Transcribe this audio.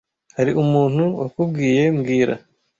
Hari umuntu wakubwiye mbwira (